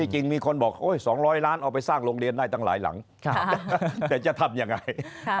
จริงมีคนบอก๒๐๐ล้านเอาไปสร้างโรงเรียนได้ตั้งหลายหลังแต่จะทำยังไง